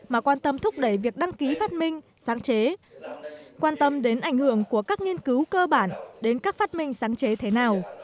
mà quan tâm thúc đẩy việc đăng ký phát minh sáng chế quan tâm đến ảnh hưởng của các nghiên cứu cơ bản đến các phát minh sáng chế thế nào